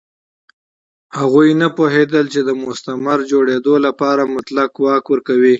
هغوی نه پوهېدل چې د مستعمرې جوړېدو لپاره مطلق واک ورکوي.